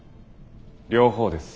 両方です。